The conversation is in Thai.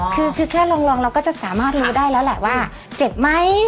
คือแค่ลองเราก็จะสามารถรู้ได้แล้วแหละว่าเจ็บไหม